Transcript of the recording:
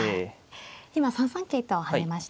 今３三桂と跳ねました。